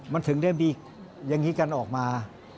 มันถึงได้มีอย่างนี้กันออกมา